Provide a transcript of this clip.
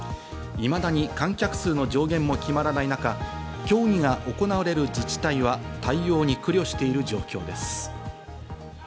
いまだに観客数の上限も決まらない中、競技が行われる自治体は対応に苦慮している状況です。